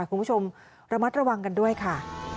คุณผู้ชมระมัดระวังกันด้วยค่ะ